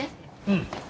うん。